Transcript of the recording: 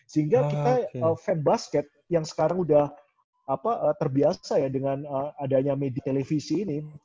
sehingga kita fan basket yang sekarang sudah terbiasa ya dengan adanya media televisi ini